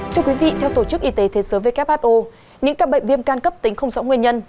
thưa quý vị theo tổ chức y tế thế giới who những ca bệnh viêm can cấp tính không rõ nguyên nhân